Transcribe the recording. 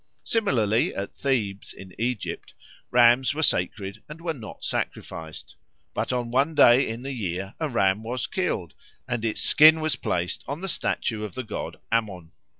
Similarly at Thebes in Egypt rams were sacred and were not sacrificed. But on one day in the year a ram was killed, and its skin was placed on the statue of the god Ammon.